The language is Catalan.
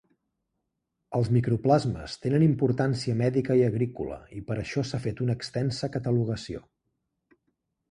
Els micoplasmes tenen importància mèdica i agrícola i per això s'ha fet una extensa catalogació.